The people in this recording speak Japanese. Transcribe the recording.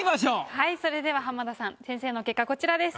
はいそれでは浜田さん先生の結果こちらです。